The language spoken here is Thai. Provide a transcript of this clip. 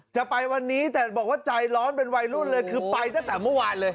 จะไปวันนี้แต่บอกว่าใจร้อนเป็นวัยรุ่นเลยคือไปตั้งแต่เมื่อวานเลย